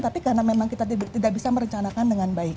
tapi karena memang kita tidak bisa merencanakan dengan baik